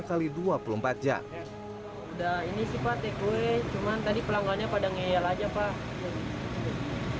sudah ini sih pak takeaway cuman tadi pelanggannya pada ngeyel aja pak